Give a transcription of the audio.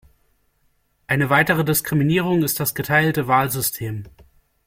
Eine weitere Diskriminierung ist das geteilte Wahlsystem.